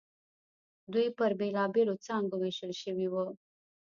دوی پر بېلابېلو څانګو وېشل شوي وو.